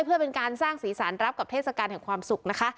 เพื่อเป็นการสร้างสีสารรับกับเทศกาลแห่งความสุขนะคะ